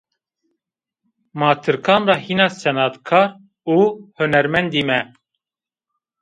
Ma tirkan ra hîna senatkar û hunermend îme!